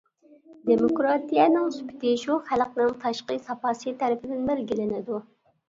دېموكراتىيەنىڭ سۈپىتى شۇ خەلقنىڭ تاشقى ساپاسى تەرىپىدىن بەلگىلىنىدۇ.